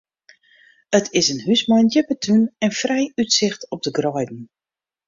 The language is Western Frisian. It is in hús mei in djippe tún en frij útsicht op de greiden.